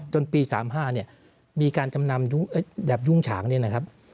จนปี๓๕มีการจำนำแบบยุงฉางนี้นะครับ